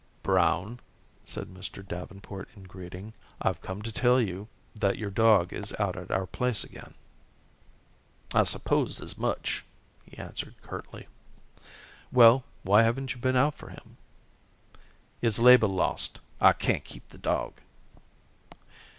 "Brown," said Mr. Davenport in greeting, "I've come to tell you that your dog is out at our place again." "I supposed as much," he answered curtly. "Well, why haven't you been out for him?" "It's labor lost. I can't keep the dog."